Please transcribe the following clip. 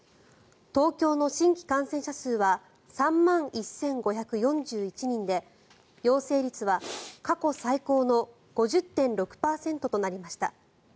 東京の新規感染者数は３万１５４１人で陽性率は過去最高の５０．６％となりました。